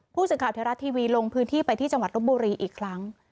ผู้สื่อข่าวไทยรัฐทีวีลงพื้นที่ไปที่จังหวัดลบบุรีอีกครั้ง